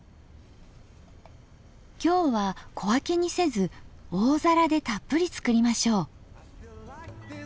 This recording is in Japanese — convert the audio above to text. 今日は小分けにせず大皿でたっぷり作りましょう。